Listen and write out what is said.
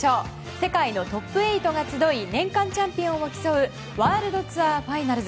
世界のトップ８が集い年間チャンピオンを競うワールドツアーファイナルズ。